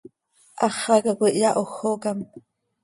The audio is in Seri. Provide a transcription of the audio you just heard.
Háxaca coi ihyahójocam.